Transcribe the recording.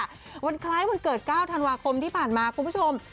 วันคล้ายวันเกิด๙ธันวาคมที่ผ่านมาคุณผู้ชม